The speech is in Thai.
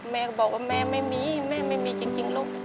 แม่ก็บอกว่าแม่ไม่มีแม่ไม่มีจริงลูก